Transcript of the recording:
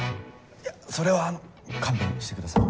それはあの勘弁してください。